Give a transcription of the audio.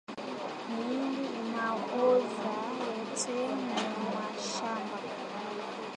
Miindi inaoza yote mumashamba